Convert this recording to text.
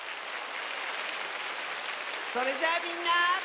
それじゃあみんな。